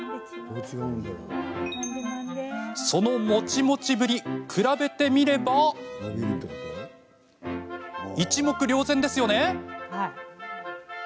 その、もちもちぶり比べてみれば一目瞭然ですよね。